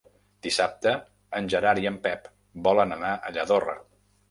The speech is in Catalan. Dissabte en Gerard i en Pep volen anar a Lladorre.